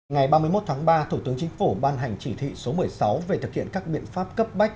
ngày ba mươi một tháng ba thủ tướng chính phủ ban hành chỉ thị số một mươi sáu về thực hiện các biện pháp cấp bách